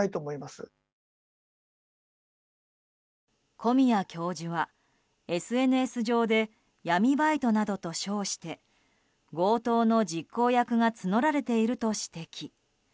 小宮教授は、ＳＮＳ上で闇バイトなどと称して強盗の実行役が募られていると指摘。